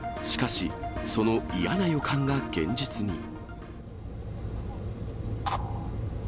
しかし、その嫌な予感が現実に。